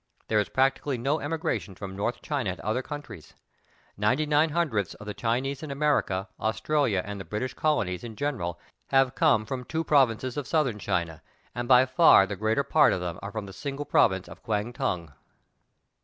There is practically no emigration from North China to other countries. Ninety nine hundredths of the Chinese in America, Australia and the British colonies in general have come from two provinces of Southern China, and by far the greater part of them are from the single province of Quang Tung.